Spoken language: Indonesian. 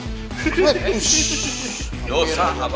dosa abah ingat kak dosa